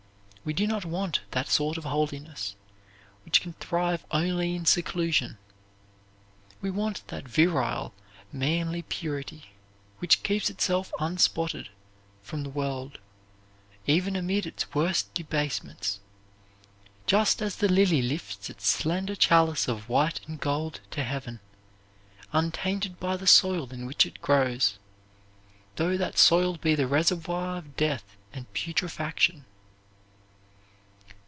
We do not want that sort of holiness which can thrive only in seclusion; we want that virile, manly purity which keeps itself unspotted from the world, even amid its worst debasements, just as the lily lifts its slender chalice of white and gold to heaven, untainted by the soil in which it grows, though that soil be the reservoir of death and putrefaction."